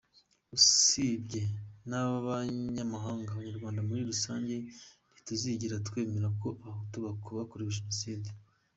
Usibye n’abanyamahanga, abanyarwanda muri rusange ntituzigera twemera ko abahutu bakorewe genocide.